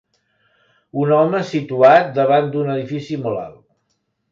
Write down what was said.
Un home situat davant d'un edifici molt alt